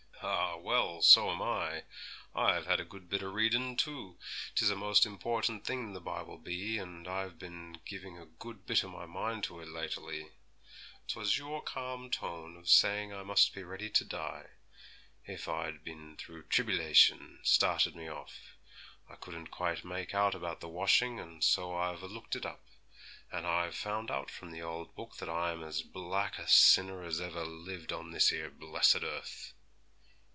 'Ah, well, so am I! I've had a good bit o' readin', too, 'tis a most important thing, the Bible be; and I've been giving a good bit o' my mind to it latterly. 'Twas your calm tone of saying I must be ready to die, if I'd bin through tribbylation, started me off. I couldn't quite make out about the washing, and so I've a looked it up. And I've found out from the old Book that I'm as black a sinner as ever lived on this 'ere blessed earth.'